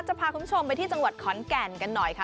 จะพาคุณผู้ชมไปที่จังหวัดขอนแก่นกันหน่อยค่ะ